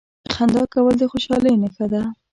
• خندا کول د خوشالۍ نښه ده.